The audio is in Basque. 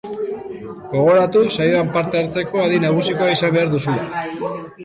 Gogoratu saioan parte hartzeko adin nagusikoa izan behar duzula.